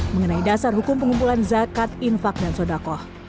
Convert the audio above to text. mengenai dasar hukum pengumpulan zakat infak dan sodakoh